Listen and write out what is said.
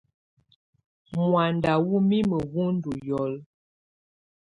Muanda wɔ́ mimǝ́ wú ndɔ́ lulǝ́.